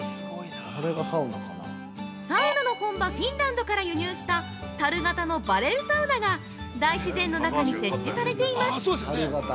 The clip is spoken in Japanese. サウナの本場フィンランドから輸入した樽型の「バレルサウナ」が大自然の中に設置されています！